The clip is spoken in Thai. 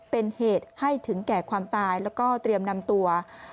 เป็นเหตุให้ถึงแก่ความตายแล้วก็เตรียมนำตัว